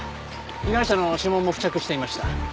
被害者の指紋も付着していました。